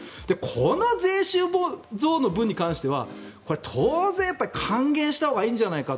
この税収増の分に関しては当然、還元したほうがいいんじゃないか。